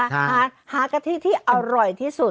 หากะทิที่อร่อยที่สุด